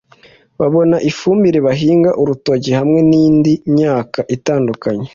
babona ifumbire bahinga urutoki hamwe n’indi myaka itandukanye